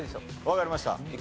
わかりました。